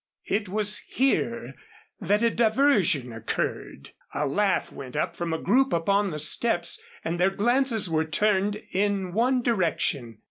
It was here that a diversion occurred. A laugh went up from a group upon the steps and their glances were turned in one direction.